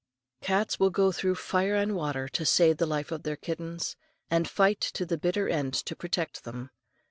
Cats will go through fire and water to save the life of their kittens, and fight to the bitter end to protect them.